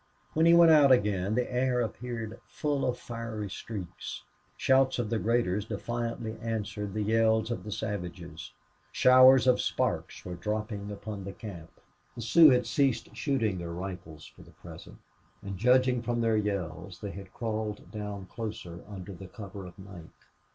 When he went out again the air appeared full of fiery streaks. Shouts of the graders defiantly answered the yells of the savages. Showers of sparks were dropping upon the camp. The Sioux had ceased shooting their rifles for the present, and, judging from their yells, they had crawled down closer under the cover of night.